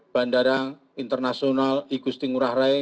bandara internasional igusti ngurah rai